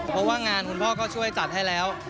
เพราะว่างานคุณพ่อก็ช่วยจัดให้แล้ว